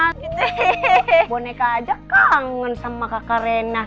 monke aja kangen sama kakak rena